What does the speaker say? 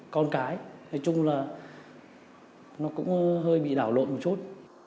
con cái nói chung là nó cũng hơi bị đảo lộn một chút